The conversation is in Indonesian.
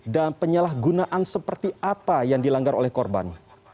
dan penyalahgunaan seperti apa yang dilanggar oleh korban